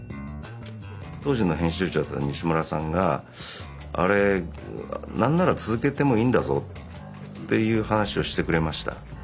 当時の編集長だった西村さんが「あれ何なら続けてもいいんだぞ」っていう話をしてくれました。